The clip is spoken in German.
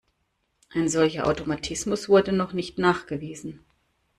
Ein solcher Automatismus wurde noch nicht nachgewiesen.